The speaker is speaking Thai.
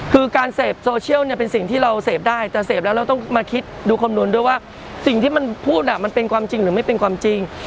คือการเสพโซเชียลเนี่ยเป็นสิ่งที่เราเสพได้แต่เสพแล้วเราต้องมาคิดดูคำนวณด้วยว่าสิ่งที่มันพูดมันเป็นความจริงหรือไม่เป็นความจริง